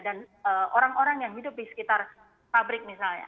orang orang yang hidup di sekitar pabrik misalnya